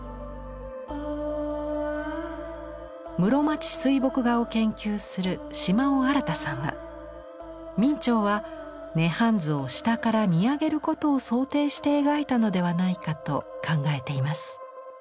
室町水墨画を研究する島尾新さんは明兆は「涅槃図」を下から見上げることを想定して描いたのではないかと考えています。